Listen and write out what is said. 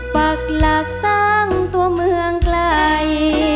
ปักหลักสร้างตัวเมืองไกล